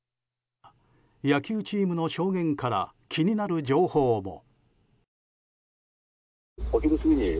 野球チームの証言から気になる情報も。